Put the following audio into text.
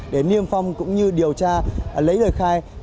để niêm phong cũng như điều tra lấy lời khai